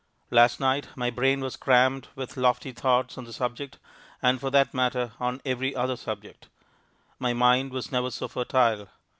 Last night my brain was crammed with lofty thoughts on the subject and for that matter, on every other subject. My mind was never so fertile.